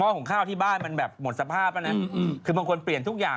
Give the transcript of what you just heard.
เอาอย่างนี้อาจารย์เรารีบบอกดีกว่า